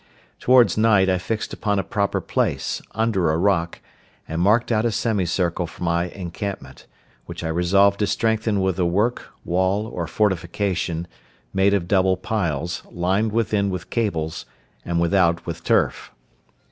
Towards night, I fixed upon a proper place, under a rock, and marked out a semicircle for my encampment; which I resolved to strengthen with a work, wall, or fortification, made of double piles, lined within with cables, and without with turf.